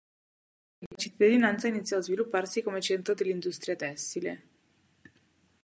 In seguito, la cittadina iniziò a svilupparsi come centro dell'industria tessile.